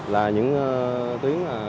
là những tuyến